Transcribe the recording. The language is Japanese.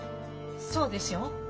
そうでしょ？